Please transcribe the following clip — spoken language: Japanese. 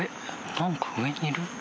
なんか上にいる？